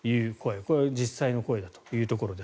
これ、実際の声というところです。